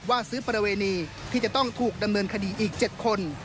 ว่าซื้อประเวณีที่จะต้องถูกดำเนินคดีอีก๗คน